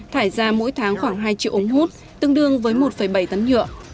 thải ra mỗi tháng khoảng hai triệu ống hút tương đương với một bảy tấn nhựa